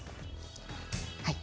はい。